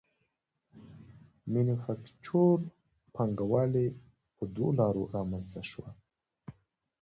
مینوفکچور پانګوالي په دوو لارو رامنځته شوه